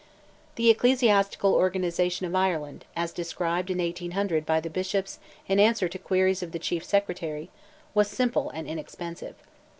The ecclesiastical organization of Ireland, as described in 1800 by the bishops in answer to queries of the Chief Secretary, was simple and inexpensive.